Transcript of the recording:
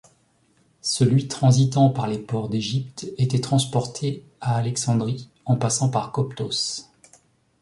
Celui transitant par les ports d'Égypte était transporté à Alexandrie, en passant par Coptos.